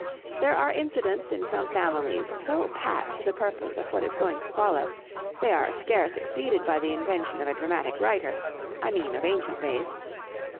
There are incidents in some families so pat to the purpose of what is going to follow,—they are scarce exceeded by the invention of a dramatic writer;—I mean of ancient days.